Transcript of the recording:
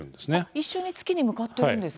一緒に月に向かっているんですね。